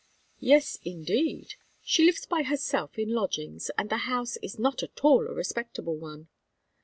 "Yes, indeed. She lives by herself in lodgings, and the house is not at all a respectable one."